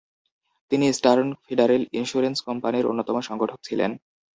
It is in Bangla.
তিনি ইস্টার্ন ফেডারেল ইন্সুরেন্স কোম্পানির অন্যতম সংগঠক ছিলেন।